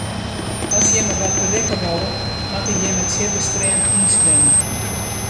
As jimme wat berikke wolle, moatte jimme tsjin de stream yn swimme.